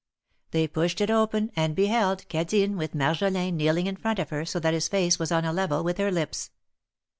They pushed it open and beheld Cadine, with Marjolin kneeling in front of her so that his face was on a level with her lips.